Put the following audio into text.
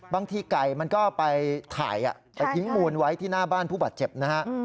ไก่มันก็ไปถ่ายไปทิ้งมูลไว้ที่หน้าบ้านผู้บาดเจ็บนะฮะ